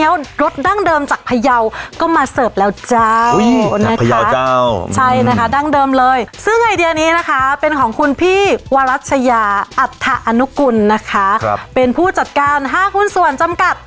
วรัชญาอัตฐานุกุลนะคะครับเป็นผู้จัดการห้าหุ้นส่วนจำกัด